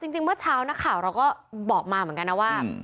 จริงเมื่อเช้านักข่าวเราก็บอกมาเหมือนกันนะว่า